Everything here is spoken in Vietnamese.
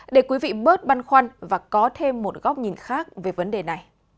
để quý vị bớt băn khoăn và có thêm một góc nhìn khác về vấn đề này